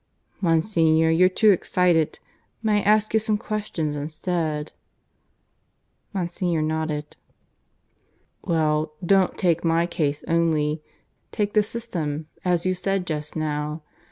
"Monsignor, you're too excited. May I ask you some questions instead?" Monsignor nodded. "Well, don't take my case only. Take the system, as you said just now.